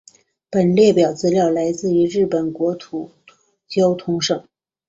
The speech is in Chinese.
本列表资料来自于日本国国土交通省。